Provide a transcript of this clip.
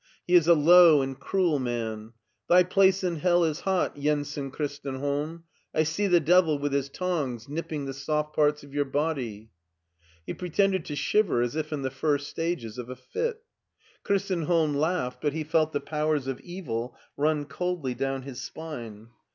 He is a low and cruel man. Thy place in hell is hot, Jensen Christenholm ! I see the devil with his tongs nipping the soft parts of your body." He pretended to shiver as if in the first stages of a fit. Christenholm laughed, but he felt the powers of evil run coldly down his spine.